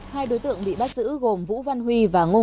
hai đối tượng bị bắt giữ gồm vũ văn huy và ngọc nguyên